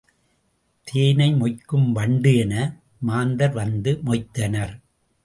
தேனை மொய்க்கும் வண்டு என மாந்தர் வந்து மொய்த்தனர்.